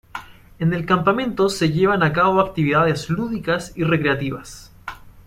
En el campamento se llevan a cabo actividades lúdicas y recreativas.